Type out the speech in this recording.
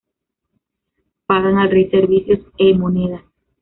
Pagan al rey servicios e monedas.